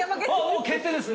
もう決定です。